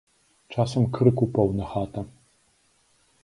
Часам крыку поўна хата.